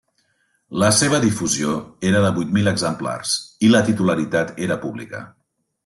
La seva difusió era de vuit mil exemplars i la titularitat era pública.